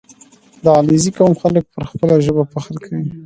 • د علیزي قوم خلک پر خپله ژبه فخر کوي.